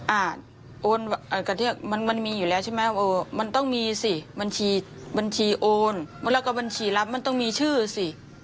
โอนกระเทือกมันมันมีอยู่แล้วใช่ไหมเออมันต้องมีสิบัญชีโอนแล้วก็บัญชีรับมันต้องมีชื่อสิ